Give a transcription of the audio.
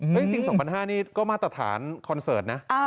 เพราะจริง๒๕๐๐บาทนี่ก็มาตรฐานคอนเสิร์ตนะ